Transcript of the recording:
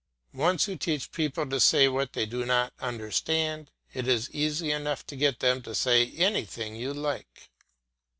Once you teach people to say what they do not understand, it is easy enough to get them to say anything you like.